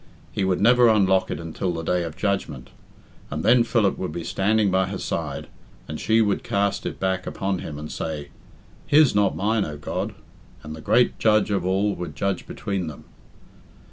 He would never unlock it until the Day of Judgment, and then Philip would be standing by her side, and she would cast it back upon him, and say, "His, not mine, O God," and the Great Judge of all would judge between them.